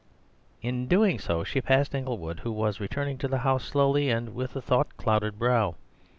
In doing so she passed Inglewood, who was returning to the house slowly, and with a thought clouded brow.